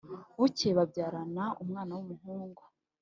Bukeye babyarana umwana w’umuhungu